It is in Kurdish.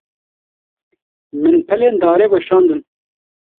Min pelên darê weşandin.